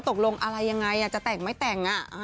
ตกลงอะไรยังไงจะแต่งไม่แต่ง